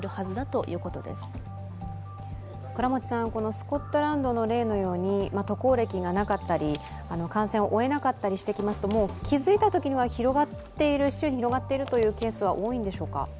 スコットランドの例のように渡航歴がなかったり、感染を追えなかったりしてきますと、気付いたときには市中に広がっているというケースは多いんでしょうか？